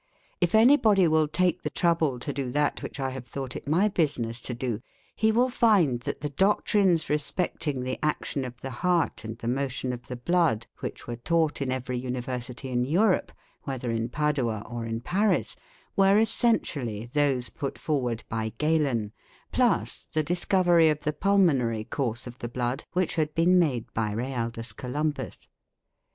If anybody will take the trouble to do that which I have thought it my business to do, he will find that the doctrines respecting the action of the heart and the motion of the blood which were taught in every university in Europe, whether in Padua or in Paris, were essentially those put forward by Galen, 'plus' the discovery of the pulmonary course of the blood which had been made by Realdus Columbus.